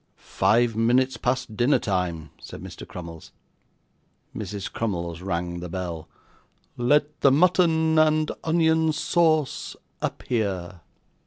'Five minutes past dinner time,' said Mr. Crummles. Mrs. Crummles rang the bell. 'Let the mutton and onion sauce appear.